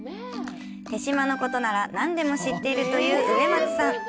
豊島のことなら何でも知っているという植松さん。